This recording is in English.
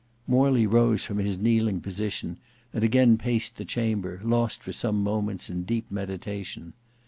Morley rose from his kneeling position, and again paced the chamber, lost for some moments in deep meditation.